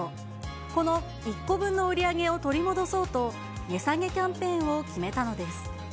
この１個分の売り上げを取り戻そうと、値下げキャンペーンを決めたのです。